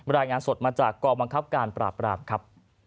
รายงานสดมาจากกองบังคับการปราบรามครับ